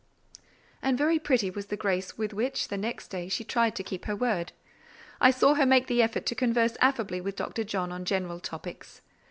And very pretty was the grace with which, the next day, she tried to keep her word. I saw her make the effort to converse affably with Dr. John on general topics.